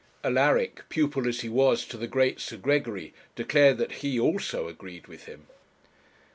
Alaric, pupil as he was to the great Sir Gregory, declared that he also agreed with him.